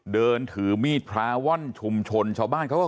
เดินถือมีดพระว่อนชุมชนชาวบ้านเขาก็